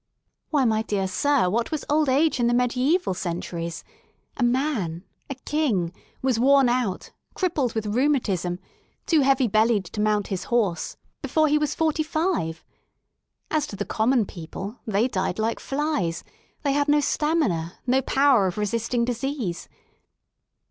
Why, my dear sir, what was old age in the mediaeval centuries? A man — sl king — ^was worn out, crippled with rheumatism, too heavy bellied to mount his horse 172 REST IN LONDON before he was forty five. As to the common people, they died like flies: they had no stamina, no power of resisting disease.